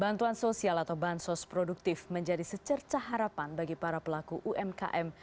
bantuan sosial atau bansos produktif menjadi secerca harapan bagi para pelaku umkm